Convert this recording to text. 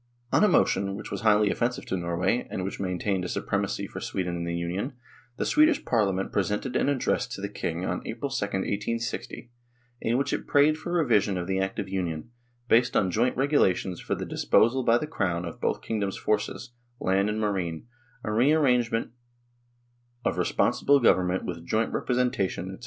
On a motion, which was highly offensive to Norway, and which maintained a supremacy for Sweden in the Union, the Swedish Parliament pre sented an address to the King on April 2, 1860, in which it prayed for revision of the Act of Union, based on joint regulations for the disposal by the Crown of both kingdoms' forces, land and marine, a rearrange ment of responsible government with joint repre sentation, &c.